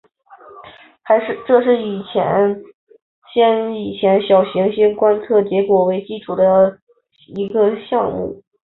这是以先前主带小行星观测结果为基础的一个项目。